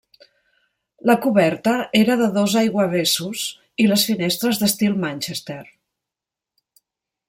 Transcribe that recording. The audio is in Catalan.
La coberta era de dos aiguavessos i les finestres d'estil Manchester.